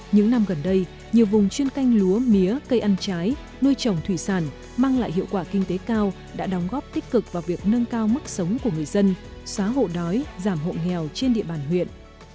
những năm gần đây nhiều vùng chuyên canh lúa mía cây ăn trái nuôi trồng thủy sản mang lại hiệu quả kinh tế cao đã đóng góp tích cực vào việc nâng cao mức sống của người dân xóa hộ đói giảm hộ nghèo trên địa bàn huyện